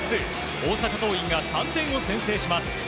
大阪桐蔭が３点を先制します。